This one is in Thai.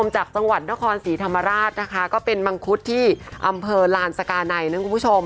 จากจังหวัดนครศรีธรรมราชนะคะก็เป็นมังคุดที่อำเภอลานสกาไนนะคุณผู้ชม